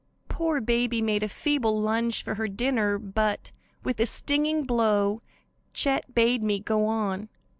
"Poor baby made a feeble lunge for her dinner, but, with a stinging blow, Chet bade me go on.